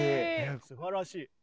すばらしい。